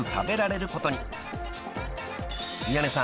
［宮根さん］